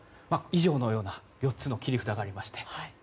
以上のような４つの切り札があります。